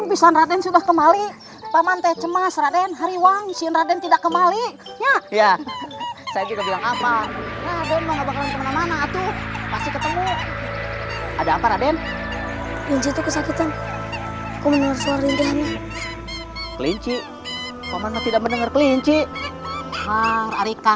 paman kelinci ini terluka